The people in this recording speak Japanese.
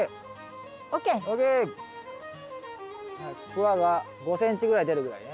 クワが５ｃｍぐらい出るぐらいね。